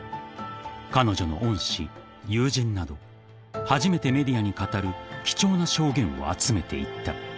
［彼女の恩師友人など初めてメディアに語る貴重な証言を集めていった］